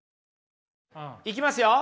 いきますよ。